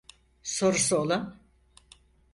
Sorusu olan?